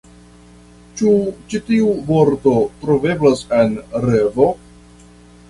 Ĉu ĉi tiu vorto troveblas en ReVo?